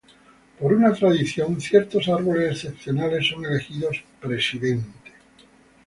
Por una tradición ciertos árboles excepcionales son elegidos "presidente".